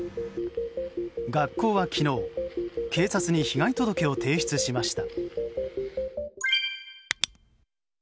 学校は昨日、警察に被害届を提出しました。